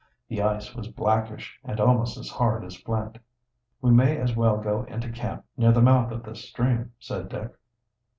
The ice was blackish and almost as hard as flint. "We may as well go into camp near the mouth of this stream," said Dick.